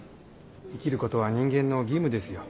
生きることは人間の義務ですよ。